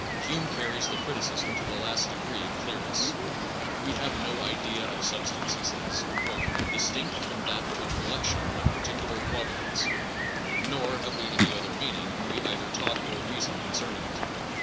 Hume carries the criticism to the last degree of clearness. We have no idea of substance, he says, distinct from that of a collection of par ticular qualities, nor have we any other mean ing when we either talk or reason concerning it.